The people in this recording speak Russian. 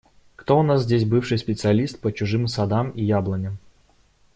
Кто у нас здесь бывший специалист по чужим садам и яблоням?